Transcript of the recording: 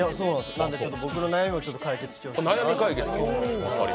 なので僕の悩みも解決してほしいなと思って。